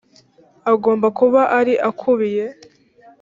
agomba kuba ari akubiye